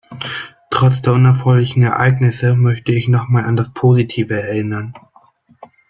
Trotz der unerfreulichen Ereignisse, möchte ich noch mal an das Positive erinnern.